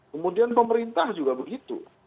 kemudian pemerintah juga begitu